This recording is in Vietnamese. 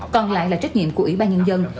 còn lại là trách nhiệm của ủy ban nhân dân